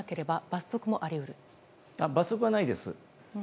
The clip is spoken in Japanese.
罰則はないです。